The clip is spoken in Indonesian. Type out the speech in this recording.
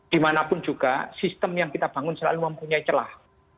dimanapun juga sistem yang kita bangun selalu mempunyai celah